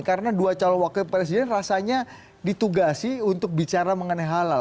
karena dua calon wakil presiden rasanya ditugasi untuk bicara mengenai halal